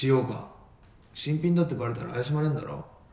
新品だってバレたら怪しまれんだろ？